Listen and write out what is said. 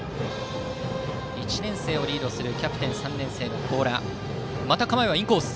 １年生をリードするキャプテン、３年生の高良。